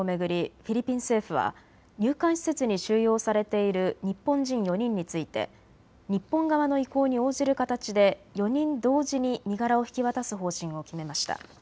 フィリピン政府は入管施設に収容されている日本人４人について日本側の意向に応じる形で４人同時に身柄を引き渡す方針を決めました。